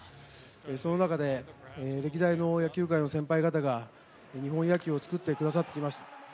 その中で歴代の野球界の先輩方が日本野球を作ってくださいました。